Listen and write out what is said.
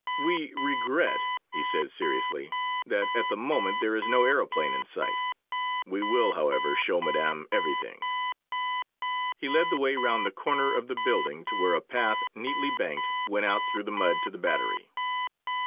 "We regret," he said seriously, "that at the moment there is no aëroplane in sight. We will, however, show Madame everything." He led the way round the corner of the building to where a path, neatly banked, went out through the mud to the battery.